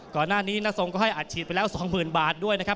ก่อนหน้านี้นัททรงก็ให้อัดฉีดว่าแล้วสองหมื่นบาทด้วยนะครับ